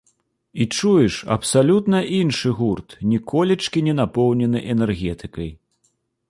І чуеш абсалютна іншы гурт, ніколечкі не напоўнены энергетыкай.